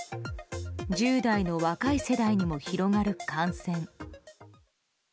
１０代の若い世代にも広がる感染。